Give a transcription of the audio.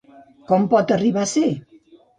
Com pot arribar a ser?